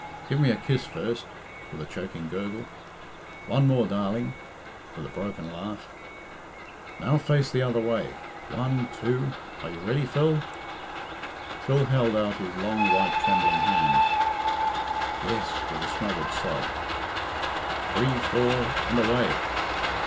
"Grive me a kiss first!" (with a choking gurgle). "One more, darling!" (with a broken laugh). "Now face the other way. One two are you ready, Phil?" Phil held out his long white trembling hands. "Yes," with a smothered sob. "Three four and away!"